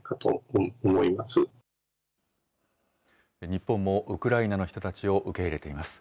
日本もウクライナの人たちを受け入れています。